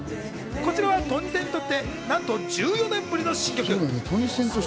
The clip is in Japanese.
こちらはトニセンにとってなんと１４年ぶりの新曲。